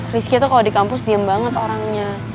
rizky tuh kalo di kampus diem banget orangnya